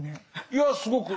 いやすごく。